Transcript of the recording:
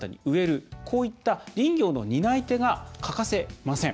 こういった林業の担い手が欠かせません。